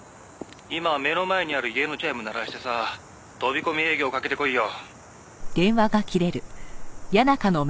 「今目の前にある家のチャイム鳴らしてさ飛び込み営業かけてこいよ」